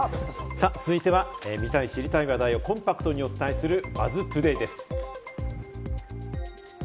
さぁ、続いては見たい、知りたい話題をコンパクトにお伝えする「ＢＵＺＺＴＯＤＡＹ」です。